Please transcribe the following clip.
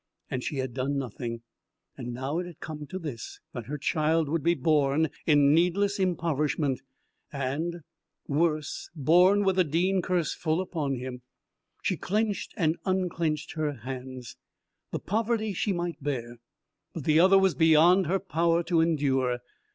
And she had done nothing. Now it had come to this, that her child would be born in needless impoverishment; and, worse, born with the Dean curse full upon him. She clenched and unclenched her hands. The poverty she might bear, but the other was beyond her power to endure.